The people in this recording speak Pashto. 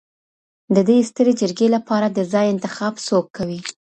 د دې ستري جرګي لپاره د ځای انتخاب څوک کوي؟